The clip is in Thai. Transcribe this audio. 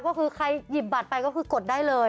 ก็คือใครหยิบบัตรไปก็คือกดได้เลย